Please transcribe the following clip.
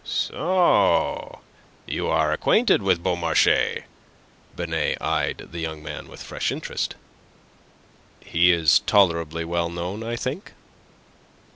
"So you are acquainted with Beaumarchais!" Binet eyed the young man with fresh interest. "He is tolerably well known, I think."